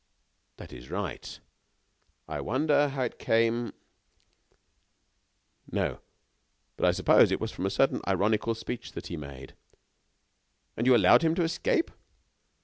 "That is right. I wonder how it came " "No, but I supposed it was from a certain ironical speech he made." "And you allowed him to escape?"